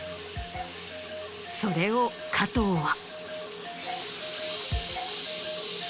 それを加藤は。